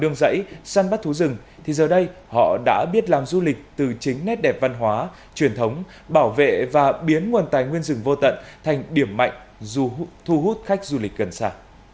nương rẫy săn bắt thú rừng thì giờ đây họ đã biết làm du lịch từ chính nét đẹp văn hóa truyền thống bảo vệ và biến nguồn tài nguyên rừng vô tận thành điểm mạnh dù thu hút khách du lịch gần xa